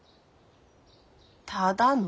ただの。